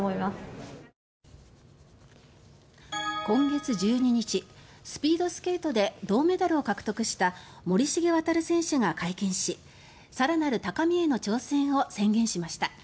今月１２日スピードスケートで銅メダルを獲得した森重航選手が会見し更なる高みへの挑戦を宣言しました。